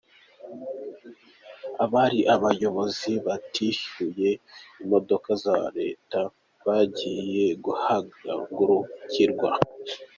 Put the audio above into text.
Abari abayobozi batishyuye imodoka za Leta bagiye guhagurukirwa